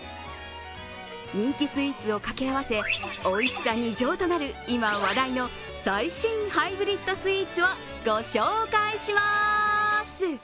人気スイーツを掛け合わせ、おいしさ２乗となる今話題の最新ハイブリッドスイーツをご紹介します。